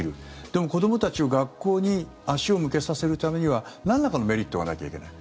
でも、子どもたちを学校に足を向けさせるためにはなんらかのメリットがなきゃいけない。